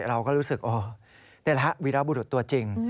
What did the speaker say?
เราก็รู้สึกโอ้ยได้แล้วหะวีรบุรุษตัวจริง